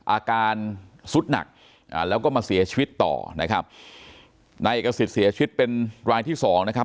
อาการสุดหนักอ่าแล้วก็มาเสียชีวิตต่อนะครับนายเอกสิทธิ์เสียชีวิตเป็นรายที่สองนะครับ